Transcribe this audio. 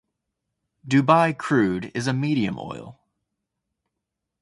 Dubai Crude is a medium oil.